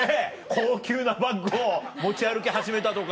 高級なバッグを持ち歩き始めたとか。